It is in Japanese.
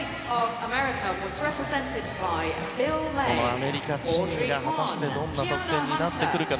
アメリカチームが果たしてどんな得点になってくるか。